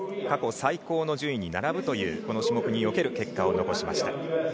過去最高の順位に並ぶというこの種目における結果を残しました。